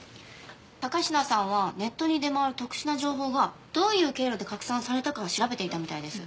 高階さんはネットに出回る特殊な情報がどういう経路で拡散されたか調べていたみたいです。